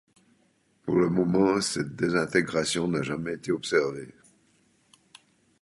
Pour le moment, cette désintégration n'a jamais été observée.